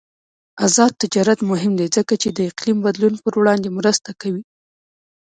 آزاد تجارت مهم دی ځکه چې د اقلیم بدلون پر وړاندې مرسته کوي.